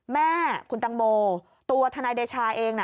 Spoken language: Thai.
แม่คุณตังโมตัวทนายเดชาเองน่ะ